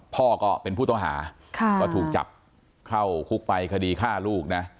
ก็เป็นผู้ต้องหาก็ถูกจับเข้าคุกไปคดีฆ่าลูกนะ